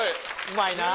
うまいな。